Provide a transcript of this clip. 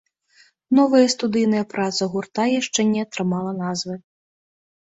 Новая студыйная праца гурта яшчэ не атрымала назвы.